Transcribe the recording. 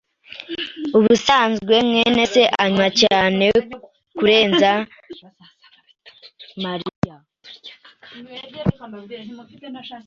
Ubusanzwe mwene se anywa cyane kurenza Mariya.